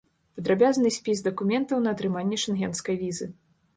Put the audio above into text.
Падрабязны спіс дакументаў на атрыманне шэнгенскай візы.